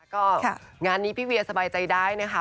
ก็งานนี้พี่เวียสบายใจได้นะคะ